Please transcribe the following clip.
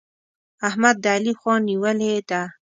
احمد د علي خوا نيولې ده.